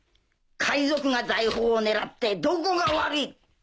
海賊が財宝を狙ってどこが悪い！